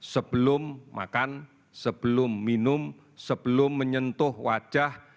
sebelum makan sebelum minum sebelum menyentuh wajah